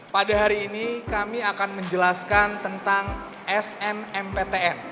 pada hari ini kami akan menjelaskan tentang snmptn